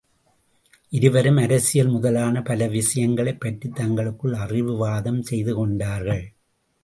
இருவரும் அரசியல் முதலான பல விஷயங்கனைப் பற்றித் தங்களுக்குள் அறிவு வாதம் செய்து கொண்டார்கள்.